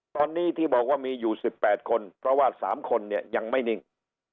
ตอนนี้ที่บอกว่ามีอยู่๑๘คนเพราะว่า๓คนเนี่ยยังไม่นิ่ง